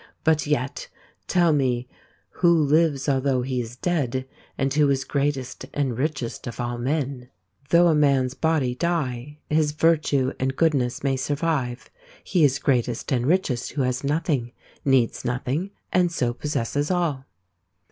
But yet, tell me who lives although he is dead, and who is greatest and richest of all men ?"" Though a man's body die, his virtue and good ness may survive. He is greatest and richest who has nothing, needs nothing, and so possesses all."